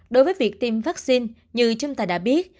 đối với việc tiêm vaccine như chúng ta đã biết